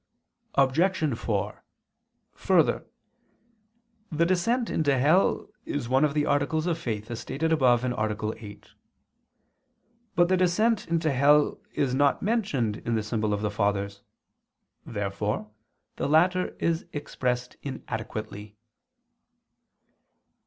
Obj. 4: Further, the descent into hell is one of the articles of faith, as stated above (A. 8). But the descent into hell is not mentioned in the symbol of the Fathers. Therefore the latter is expressed inadequately.